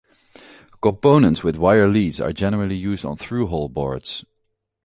Components with wire leads are generally used on through-hole boards.